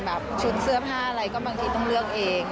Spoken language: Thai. ชุดเสื้อผ้าอะไรก็บางทีต้องเลือกเอง